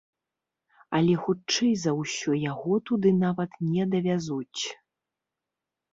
Але хутчэй за ўсё яго туды нават не давязуць.